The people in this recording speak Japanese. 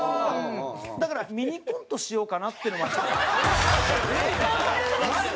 だから、ミニコントしようかなっていうのは、ちょっと。